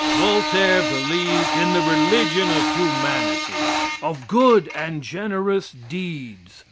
Voltaire believed in the religion of humanity of good and generous deeds.